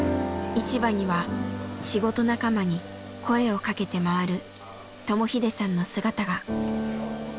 市場には仕事仲間に声をかけて回る智英さんの姿が。